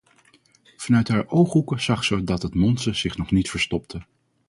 Vanuit haar ooghoeken zag ze dat het monster zich nog net verstopte.